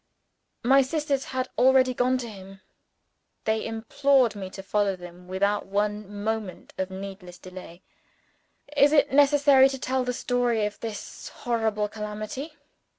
My sisters had already gone to him: they implored me to follow them without one moment of needless delay. Is it necessary to tell the story of this horrible calamity?